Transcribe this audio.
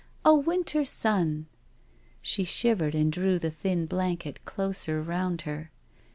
A winter sunt" She shivered and drew the thin blanket closer round her.